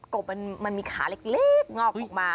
กบมันมีขาเล็กงอกออกมา